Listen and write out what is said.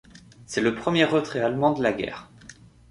C'est le premier retrait allemand de la guerre.